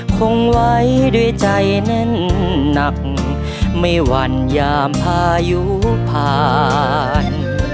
คงไว้ด้วยใจแน่นหนักไม่วันยามพายุผ่าน